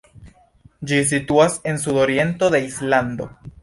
Ĝi situas en sudoriento de Islando.